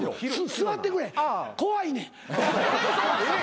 座ってくれ怖いねん。